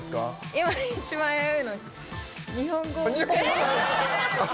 今、一番危ういの日本語。